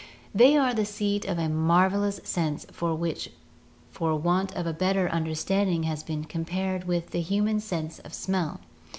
They are the seat of a mar velous sense which for want of a better under standing has been compared with the human sense of smell.